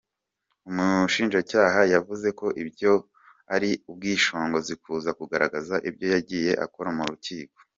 Umushinjacyaha yavuze ko ibyo ari ubwishongozi kuza kugaragaza ibyo yagiye akora mu rukiko.